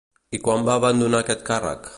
I quan va abandonar aquest càrrec?